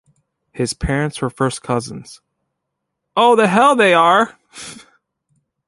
His parents were first cousins.